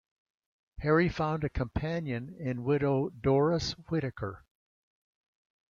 Harry found a companion in widow Doris Whitaker.